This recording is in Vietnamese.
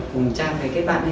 cùng trang cái kết bạn ấy